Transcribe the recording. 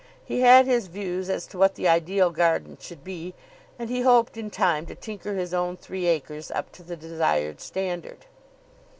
He had his views as to what the ideal garden should be, and he hoped in time to tinker his own three acres up to the desired standard.